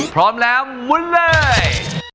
พร้อมแล้วมุนเลย